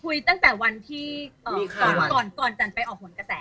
คุยตั้งแต่วันที่ก่อนจันไปออกห่วงกระแส